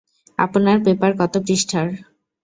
আপনার পেপার কত পৃষ্ঠার?